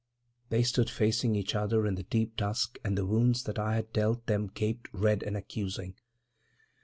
They stood facing each other in the deep dusk, and the wounds that I had dealt them gaped red and accusing.